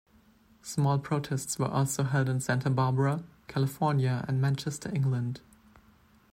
Small protests were also held in Santa Barbara, California, and Manchester, England.